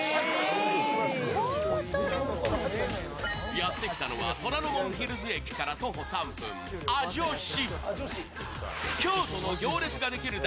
やってきたのは虎ノ門ヒルズ駅から徒歩３分、アジョシ。